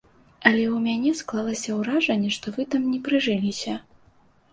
Але ў мяне склалася ўражанне, што вы там не прыжыліся.